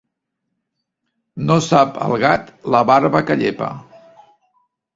No sap el gat la barba que llepa.